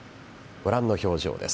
ご覧の表情です。